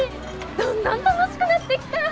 どんどん楽しくなってきた！